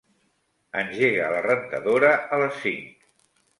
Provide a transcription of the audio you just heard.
Engega la rentadora a les cinc.